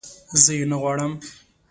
زه یې نه غواړم